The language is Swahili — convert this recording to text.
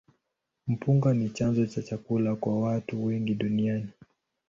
Mpunga ni chanzo cha chakula kwa watu wengi duniani.